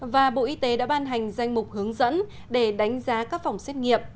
và bộ y tế đã ban hành danh mục hướng dẫn để đánh giá các phòng xét nghiệm